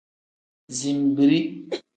Zinbiri.